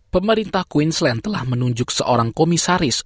pemerintah queensland telah menunjuk seorang komisaris